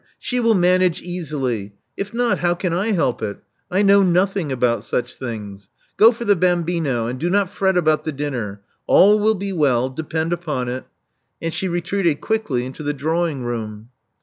She will manage easily. If not, how can I help it? I know nothing about such things. Go for the bambino; and do not fret about the dinner. All will be well, depend upon it" And she retreated quickly into the drawing room.